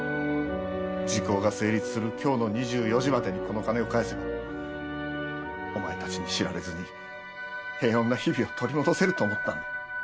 時効が成立する今日の２４時までにこの金を返せばお前たちに知られずに平穏な日々を取り戻せると思ったんだ。